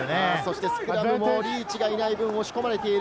スクラムもリーチがいない分、押し込まれている。